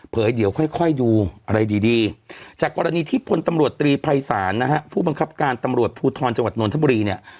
เดี๋ยวค่อยดูอะไรดีจากกรณีที่พลตำรวจตรีภัยศาลนะฮะผู้บังคับการตำรวจภูทรจังหวัดนทบุรีเนี่ย